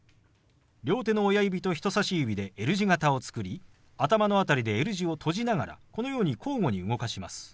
両手の親指と人さし指でＬ字型を作り頭の辺りでＬ字を閉じながらこのように交互に動かします。